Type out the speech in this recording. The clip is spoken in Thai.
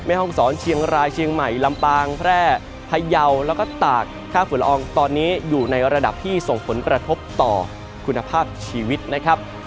ห้องศรเชียงรายเชียงใหม่ลำปางแพร่พยาวแล้วก็ตากค่าฝุ่นละอองตอนนี้อยู่ในระดับที่ส่งผลกระทบต่อคุณภาพชีวิตนะครับ